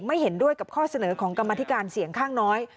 เห็นด้วยกับข้อเสนอของกรรมธิการเสียงข้างน้อย